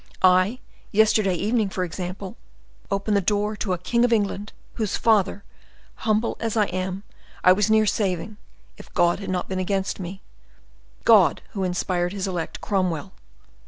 I yesterday evening, for example, open the door to a king of England, whose father, humble as I am, I was near saving, if God had not been against me—God, who inspired His elect, Cromwell!